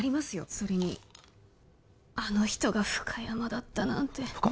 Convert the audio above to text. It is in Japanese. それにあの人がフカヤマだったなんてフカ？